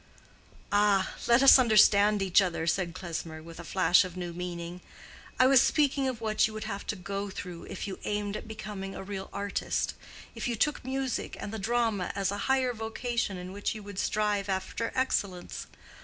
"Ah, let us understand each other," said Klesmer, with a flash of new meaning. "I was speaking of what you would have to go through if you aimed at becoming a real artist—if you took music and the drama as a higher vocation in which you would strive after excellence.